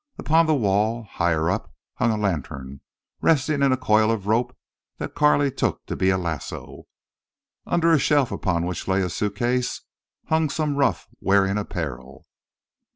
Upon the wall, higher up, hung a lantern, resting in a coil of rope that Carley took to be a lasso. Under a shelf upon which lay a suitcase hung some rough wearing apparel.